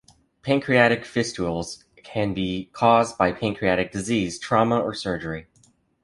Pancreatic fistulas can be caused by pancreatic disease, trauma, or surgery.